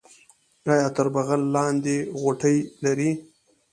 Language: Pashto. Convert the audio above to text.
ایا تر بغل لاندې غوټې لرئ؟